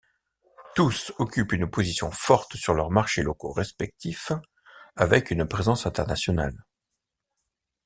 Tous occupent une position forte sur leurs marchés locaux respectifs, avec une présence internationale.